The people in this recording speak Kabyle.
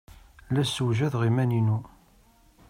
La ssewjadeɣ iman-inu.